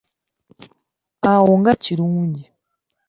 Waawo, nga kirungi!